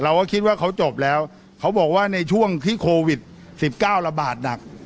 เราก็คิดว่าเขาจบแล้วเขาบอกว่าในช่วงที่โควิด๑๙ระบาดหนัก